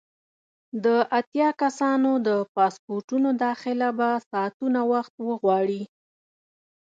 د اتیا کسانو د پاسپورټونو داخله به ساعتونه وخت وغواړي.